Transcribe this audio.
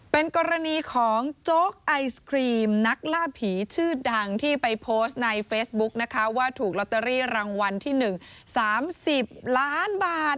เป็นกรณีของโจ๊กไอศครีมนักล่าผีชื่อดังที่ไปโพสต์ในเฟซบุ๊กนะคะว่าถูกลอตเตอรี่รางวัลที่๑๓๐ล้านบาท